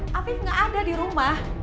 eh afif gak ada di rumah